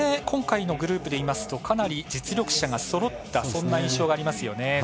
今回のグループでいいますとかなり、実力者がそろったそんな印象がありますよね。